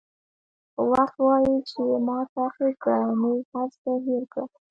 وخت وایي چې ما تعقیب کړه نور هر څه هېر کړه.